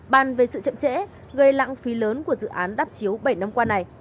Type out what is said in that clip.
bàn về sự chậm trễ gây lặng phí lớn của dự án đáp chiếu bảy năm qua này